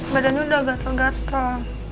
badannya udah gatel gatel